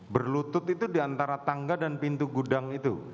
berlutut itu di antara tangga dan pintu gudang itu